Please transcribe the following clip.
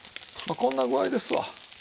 まあこんな具合ですわ。